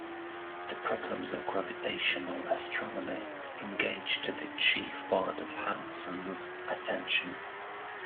The problems of gravitational astronomy engaged the chief part of Hansen's attention.